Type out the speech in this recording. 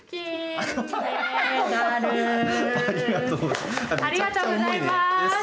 ありがとうございます！